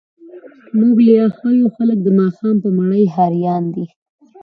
موږ ليا ښه يو، خلګ د ماښام په مړۍ هريان دي.